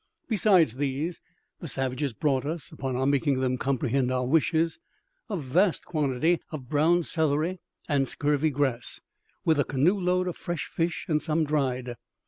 Besides these, the savages brought us, upon our making them comprehend our wishes, a vast quantity of brown celery and scurvy grass, with a canoe load of fresh fish and some dried.